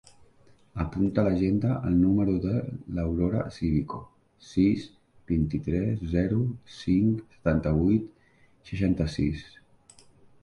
Apunta a l'agenda el número de l'Aurora Civico: sis, vint-i-tres, zero, cinc, setanta-vuit, seixanta-sis.